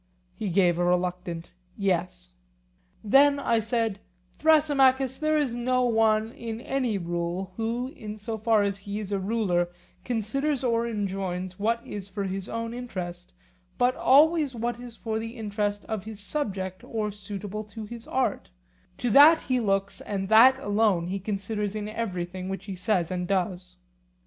He gave a reluctant 'Yes.' Then, I said, Thrasymachus, there is no one in any rule who, in so far as he is a ruler, considers or enjoins what is for his own interest, but always what is for the interest of his subject or suitable to his art; to that he looks, and that alone he considers in everything which he says and does.